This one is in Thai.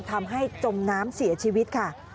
ทำให้จมน้ำเสียชีวิตค่ะ